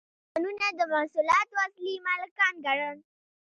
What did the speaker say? هغوی ځانونه د محصولاتو اصلي مالکان ګڼل